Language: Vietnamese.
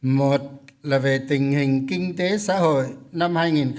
một là về tình hình kinh tế xã hội năm hai nghìn hai mươi hai nghìn hai mươi một